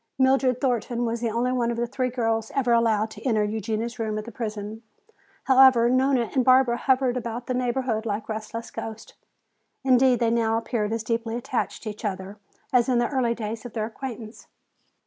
Mildred Thornton was the only one of the three girls ever allowed to enter Eugenia's room at the prison. However, Nona and Barbara hovered about the neighborhood like restless ghosts. Indeed, they now appeared as deeply attached to each other as in the early days of their acquaintance.